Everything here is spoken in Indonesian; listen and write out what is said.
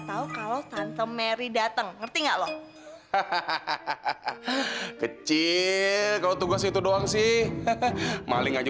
tahu kalau tante mary datang ngerti nggak loh hahaha kecil kalau tugas itu doang sih maling aja